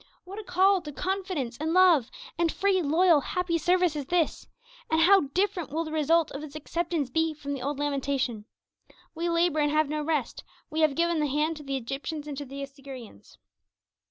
What a call to confidence, and love, and free, loyal, happy service is this! and how different will the result of its acceptance be from the old lamentation: 'We labour and have no rest; we have given the hand to the Egyptians and to the Assyrians.'